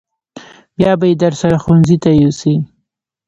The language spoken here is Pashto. بیا به یې درسره ښوونځي ته یوسې.